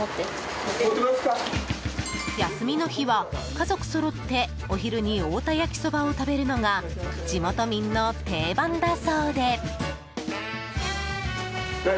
休みの日は、家族そろってお昼に太田焼きそばを食べるのが地元民の定番だそうで。